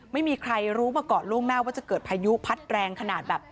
ไม่มีใครรู้มาก่อนล่วงหน้าว่าจะเกิดพายุพัดแรงขนาดแบบ